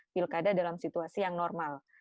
pilkada dalam situasi yang normal